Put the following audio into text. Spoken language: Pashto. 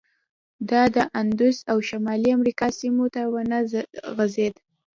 دا د اندوس او شمالي امریکا سیمو ته ونه غځېد.